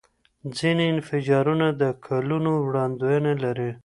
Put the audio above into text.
ځینې انفجارونه د کلونو وړاندوینه لري.